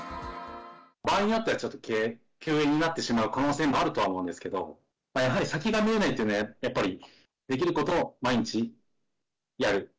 場合によってはちょっと休園になってしまう可能性もあるとは思うんですけど、やはり先が見えないというのは、やっぱり、できることを毎日やる。